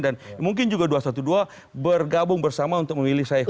mungkin juga dua ratus dua belas bergabung bersama untuk memilih saiful